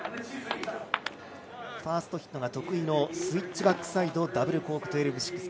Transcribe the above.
ファーストヒットが得意のスイッチバックサイドダブルコーク１２６０。